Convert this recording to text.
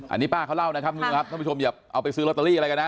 อันนี้ป้าเขาเล่านะครับคุณผู้ชมครับท่านผู้ชมอย่าเอาไปซื้อลอตเตอรี่อะไรกันนะ